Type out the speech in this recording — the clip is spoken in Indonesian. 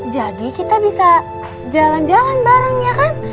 jadi kita bisa jalan jalan bareng ya kan